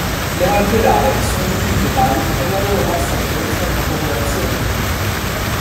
Le malattie rare sono definite tali per la loro bassa frequenza nella popolazione.